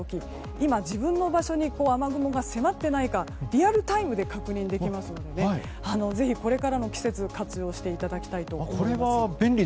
今、自分の場所に雨雲が迫っていないかリアルタイムで確認できますのでぜひ、これからの季節活用していただきたいと思います。